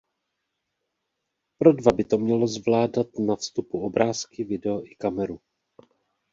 Pro dva by to mělo zvládat na vstupu obrázky, video i kameru.